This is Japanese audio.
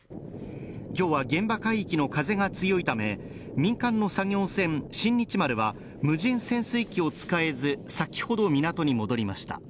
今日は、現場海域の風が強いため、民間の作業船「新日丸」は無人潜水機を使えず、先ほど、港に戻りました。